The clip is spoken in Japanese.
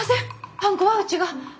はんこはうちが。